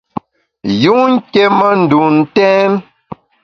Yun nké ma ndun ntèn.